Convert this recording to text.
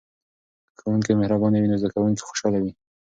که ښوونکی مهربانه وي نو زده کوونکي خوشحاله وي.